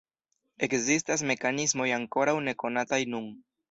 Ekzistas mekanismoj ankoraŭ nekonataj nun.